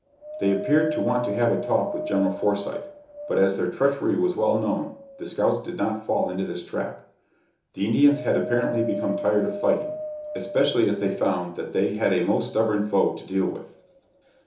They appeared to want to have a talk with General Forsyth, but as their treachery was well known, the scouts did not fall into this trap. The Indians had apparently become tired of fighting, especially as they found that they had a most stubborn foe to deal with.